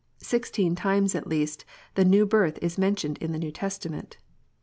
Sixteen times, at least, the new is mentioned in the New Testament.